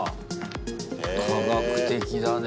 科学的だね。